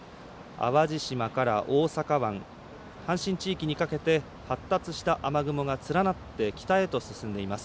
淡路島から大阪湾阪神地域にかけて発達した雨雲が連なって北へと進んでいます。